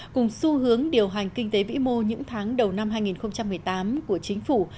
cùng xu hướng điều hành kinh tế vĩ mô những tháng đầu năm hai nghìn một mươi tám của chính phủ